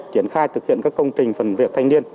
triển khai thực hiện các công trình phần việc thanh niên